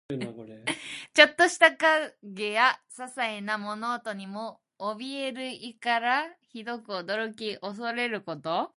ちょっとした影やささいな物音にもおびえる意から、ひどく驚き怖れること。